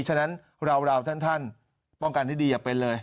ฉะนั้นเราท่านป้องกันให้ดีอย่าเป็นเลย